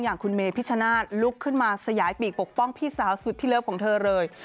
อย่างคุณเมพิชชนาธิ์ลุกขึ้นมาสยายปีกปกป้องพี่สาวสุดที่เลิฟของเธอเลย